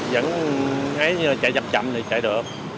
vẫn ngay như là chạy chậm chậm thì chạy được